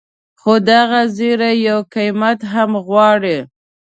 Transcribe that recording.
خو دغه زیری یو قیمت هم غواړي.